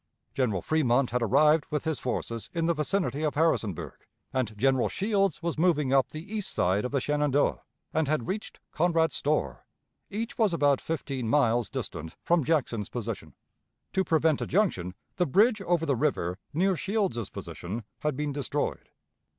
General Fremont had arrived with his forces in the vicinity of Harrisonburg, and General Shields was moving up the east side of the Shenandoah, and had reached Conrad's Store. Each was about fifteen miles distant from Jackson's position. To prevent a junction, the bridge over the river, near Shields's position, had been destroyed.